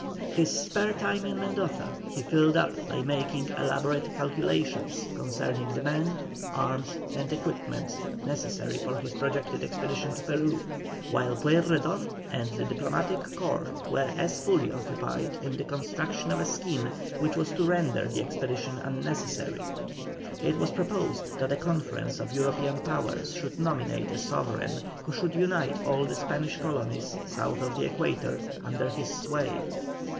His spare time in Mendoza he filled up by making elaborate calculations concerning the men, arms, and equipment necessary for his projected expedition to Peru, while Pueyrredon and the diplomatic corps were as fully occupied in the construction of a scheme which was to render the expedition unnecessary. It was proposed that a conference of European powers should nominate a sovereign who should unite all the Spanish colonies south of the Equator under his sway.